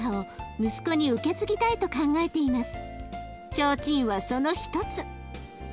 ちょうちんはその一つ。